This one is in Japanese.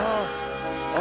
あ！